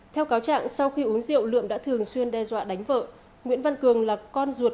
theo cáo trạng sau khi uống rượu lượm đã thường xuyên đe dọa đánh vợ nguyễn văn cường là con ruột